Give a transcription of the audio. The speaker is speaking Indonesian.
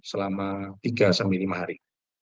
selama tiga lima hari